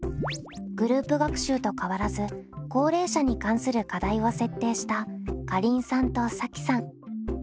グループ学習と変わらず高齢者に関する課題を設定したかりんさんとさきさん。